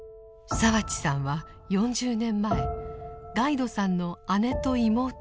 澤地さんは４０年前ガイドさんの姉と妹に会っています。